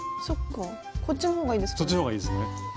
そっちの方がいいですね。